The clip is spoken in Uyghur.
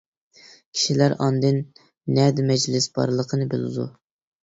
كىشىلەر ئاندىن نەدە مەجلىس بارلىقىنى بىلىدۇ.